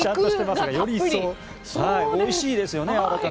おいしいですよね。